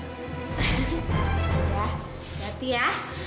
ya berhati hati ya